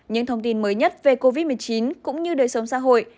những thông tin mới nhất về covid một mươi chín cũng như đời sống xã hội